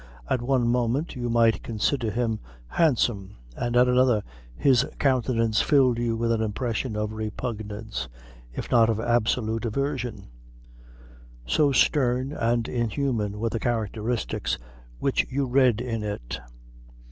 At one moment you might consider him handsome, and at another his countenance filled you with an impression of repugnance, if not of absolute aversion; so stern and inhuman were the characteristics which you read in it.